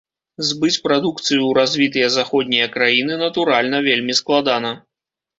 Збыць прадукцыю ў развітыя заходнія краіны, натуральна, вельмі складана.